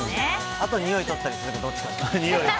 あと、においを取ったりするかどっちか。